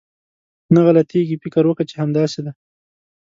نه غلطېږي، فکر وکه چې همداسې ده.